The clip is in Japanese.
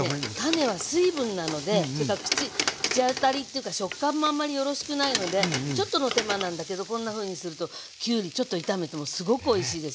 種は水分なのでというか口当たりというか食感もあんまりよろしくないのでちょっとの手間なんだけどこんなふうにするときゅうりちょっと炒めてもすごくおいしいですよ。